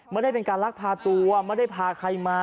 ไม่ได้เป็นการลักพาตัวไม่ได้พาใครมา